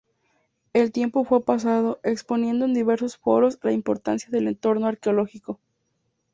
El tiempo fue pasando, exponiendo en diversos foros, la importancia del entorno arqueológico.